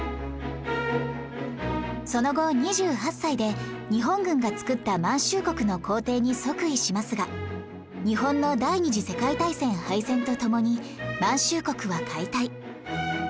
その後２８歳で日本軍が作った満洲国の皇帝に即位しますが日本の第二次世界大戦敗戦とともに満洲国は解体